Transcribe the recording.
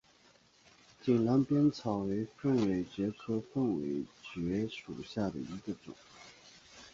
井栏边草为凤尾蕨科凤尾蕨属下的一个种。